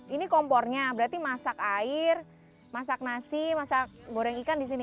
ini kompornya berarti masak air masak nasi masak goreng ikan di sini